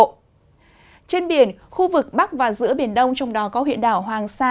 trên biển khu vực bắc và giữa biển đông trong đó có huyện đảo hoàng sa